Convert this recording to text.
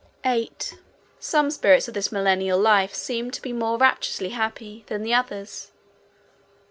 8. Some spirits of this Millennial life seemed to be more rapturously happy than the others.